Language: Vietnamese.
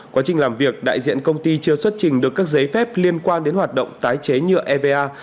quá trình làm việc đại diện công ty chưa xuất trình được các giấy phép liên quan đến hoạt động tái chế nhựa eva